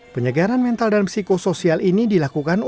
penyegaran mental dan psikosoial ini dilakukan